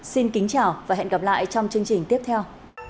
xin kính chào và hẹn gặp lại trong chương trình tiếp theo